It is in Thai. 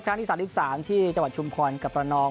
ที่๓๓ที่จังหวัดชุมพรกับประนอง